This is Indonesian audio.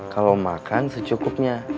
kalau makan secukupnya